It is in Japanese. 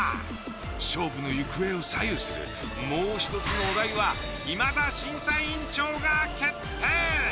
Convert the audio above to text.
勝負の行方を左右するもう一つのお題は今田審査委員長が決定。